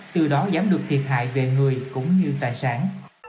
từ đó giảm được thiệt hại về người cũng như tài sản